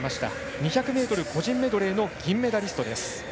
２００ｍ個人メドレーの銀メダリストです。